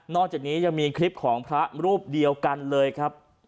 จากนี้ยังมีคลิปของพระรูปเดียวกันเลยครับ